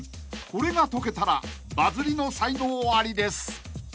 ［これが解けたらバズりの才能ありです］